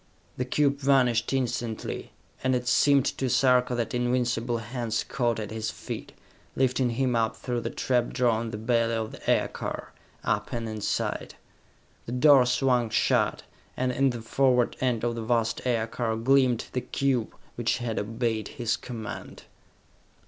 The cube vanished instantly, and it seemed to Sarka that invisible hands caught at his feet, lifting him up through the trap door in the belly of the aircar, up and inside. The door swung shut, and in the forward end of the vast aircar gleamed the cube which had obeyed his command!